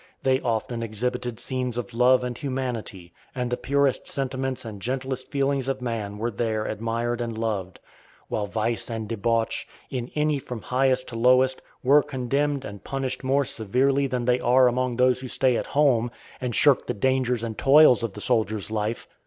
They often exhibited scenes of love and humanity, and the purest sentiments and gentlest feelings of man were there admired and loved, while vice and debauch, in any from highest to lowest, were condemned and punished more severely than they are among those who stay at home and shirk the dangers and toils of the soldier's life.